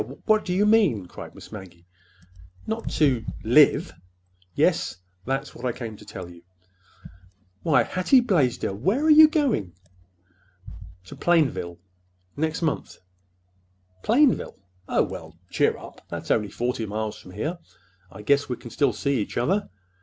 What do you mean?" cried Miss Maggie. "Not to—live!" "Yes. That's what I came to tell you." "Why, Hattie Blaisdell, where are you going?" "To Plainville—next month." "Plainville? Oh, well, cheer up! That's only forty miles from here. I guess we can still see each other.